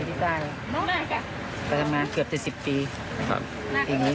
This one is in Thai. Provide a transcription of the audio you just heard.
ได้พาแฟนทำบุญที่คุณที่สุดแล้ว